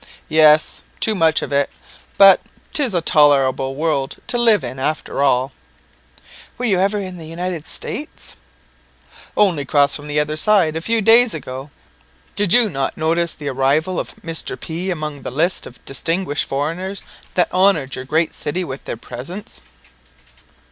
"Yes, too much of it; but 'tis a tolerable world to live in after all." "Were you ever in the United States?" "Only crossed from the other side a few days ago. Did you not notice the arrival of Mr. P among the list of distinguished foreigners that honoured your great city with their presence?"